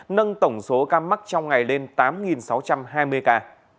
nâng tổng số ca mắc trong ngày lên tám sáu trăm hai mươi ca